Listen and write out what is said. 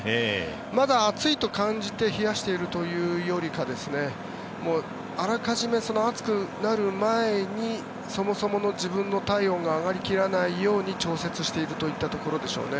まだ暑いと感じて冷やしているというよりかあらかじめ暑くなる前にそもそもの自分の体温が上がり切らないように調節しているといったところでしょうね。